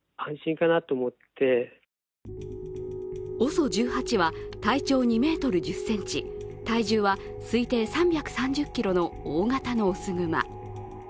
ＯＳＯ１８は体長２ｍ１０ｃｍ体重は推定３３０ｋｇの大型の雄熊。